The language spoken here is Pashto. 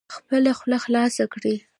خپله خوله خلاصه کړئ